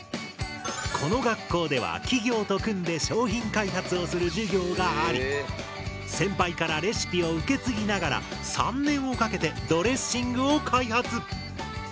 この学校では企業と組んで商品開発をする授業があり先輩からレシピを受け継ぎながら３年をかけてドレッシングを開発。